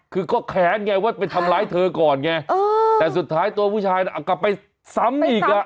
คือก็แค้นไงว่าไปทำร้ายเธอก่อนไงแต่สุดท้ายตัวผู้ชายน่ะกลับไปซ้ำอีกอ่ะ